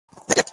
Lake, lake.